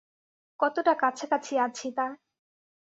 কতটা কাছাকাছি আছি তার?